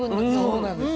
そうなんです。